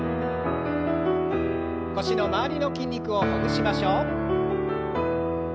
腰の周りの筋肉をほぐしましょう。